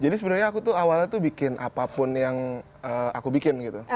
jadi sebenarnya aku tuh awalnya bikin apapun yang aku bikin gitu